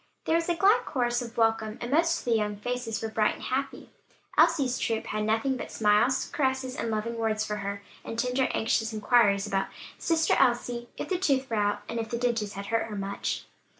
There was a glad chorus of welcome, and most of the young faces were bright and happy. Elsie's troop had nothing but smiles, caresses and loving words for her, and tender, anxious inquiries about "Sister Elsie; if the tooth were out?" "if the dentist hurt her much?"